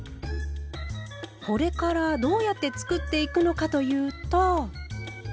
これからどうやって作っていくのかというと。